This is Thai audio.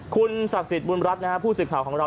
คุณศักดิ์สิทธิ์บุญรัฐนะฮะผู้สื่อข่าวของเรา